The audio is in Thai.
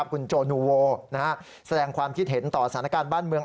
คุณโจนูโวแสดงความคิดเห็นต่อสถานการณ์บ้านเมือง